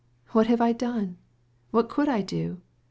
What have I done, and what could I do?